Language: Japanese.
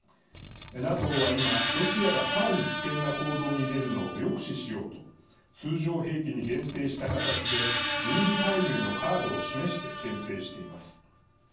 ＮＡＴＯは今、ロシアがさらに危険な行動に出るのを抑止しようと通常兵器に限定した形で軍事介入のカードを示してけん制しています。